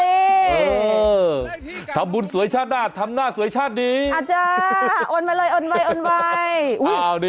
เออทำบุญสวยชาติด้านทำหน้าสวยชาติดีอ่าจ๊ะ